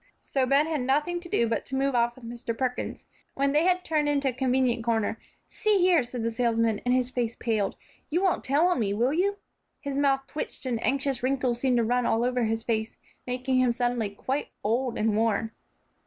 So Ben had nothing to do but to move off with Mr. Perkins. When they had turned into a convenient corner, "See here," said the salesman, and his face paled, "you won't tell on me, will you?" His mouth twitched, and anxious wrinkles seemed to run all over his face, making him suddenly quite old and worn.